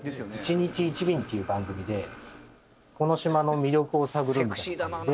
『１日１便』っていう番組でこの島の魅力を探るみたいのをやってて。